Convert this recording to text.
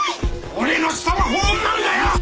俺の舌は本物なんだよ！